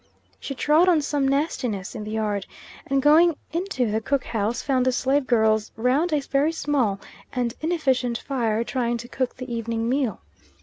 She trod on some nastiness in the yard, and going into the cook house found the slave girls round a very small and inefficient fire, trying to cook the evening meal.